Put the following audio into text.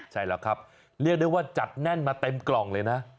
ใช่แล้วครับเรียกได้ว่าจัดแน่นมาเต็มกล่องเลยนะ